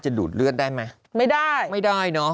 จะดูดเลือดได้ไหมไม่ได้